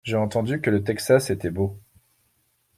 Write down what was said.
J’ai entendu que le Texas était beau.